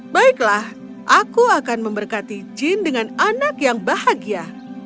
baiklah aku akan memberkati jin dengan anak yang bahagia